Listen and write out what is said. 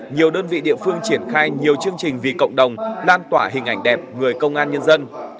nhiều đơn vị địa phương triển khai nhiều chương trình vì cộng đồng lan tỏa hình ảnh đẹp người công an nhân dân